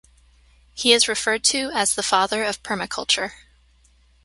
He is referred to as the father of permaculture.